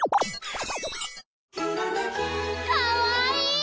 かわいい！